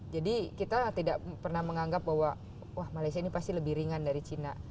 jadi kita tidak pernah menganggap bahwa wah malaysia ini pasti lebih ringan dari china